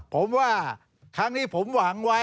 ผมว่าครั้งนี้ผมหวังไว้